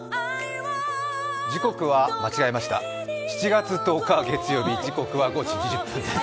時刻は間違えました、７月１０日月曜日時刻は５時２０分です。